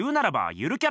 ゆるキャラ？